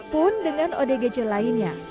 pun dengan odgj lainnya